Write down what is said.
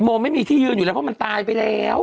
โมไม่มีที่ยืนอยู่แล้วเพราะมันตายไปแล้ว